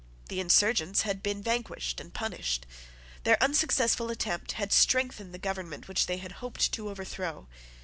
The insurgents had been vanquished and punished. Their unsuccessful attempt had strengthened the government which they had hoped to overthrow.